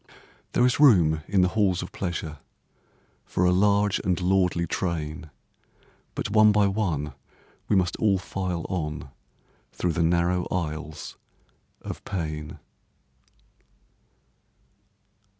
There is room in the halls of pleasure For a large and lordly train, But one by one we must all file on Through the narrow aisles of pain.